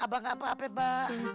abah ngapain mbak